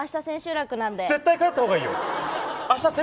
絶対に帰ったほうがいいよ。